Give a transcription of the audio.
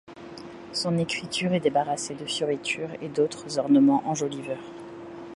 Son écriture est débarrassée de fioritures et d’autres ornements enjoliveurs.